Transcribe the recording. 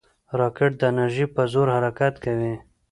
راکټ د انرژۍ په زور حرکت کوي